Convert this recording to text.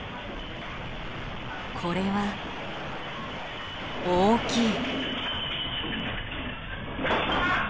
これは、大きい。